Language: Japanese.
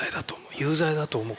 有罪だと思う。